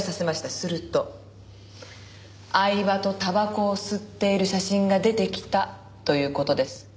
すると饗庭とタバコを吸っている写真が出てきたという事です。